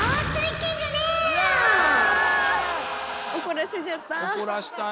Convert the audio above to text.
怒らせちゃった。